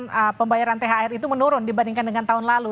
kemudian pembayaran thr itu menurun dibandingkan dengan tahun lalu